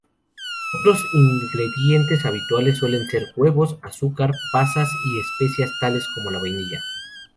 Otros ingredientes habituales suelen ser huevos, azúcar, pasas y especias tales como la vainilla.